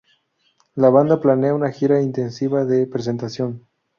La banda planea una gira intensiva de presentación.